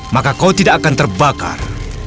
maka kau tidak akan terbakar